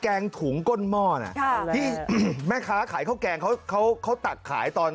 แกงถุงก้นหม้อน่ะที่แม่ค้าขายข้าวแกงเขาเขาตักขายตอน